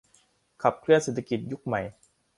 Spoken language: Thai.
ขับเคลื่อนเศรษฐกิจยุคใหม่